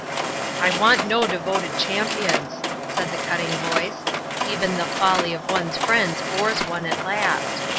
"I want no devoted champions," said the cutting voice; "even the folly of one's friends bores one at last.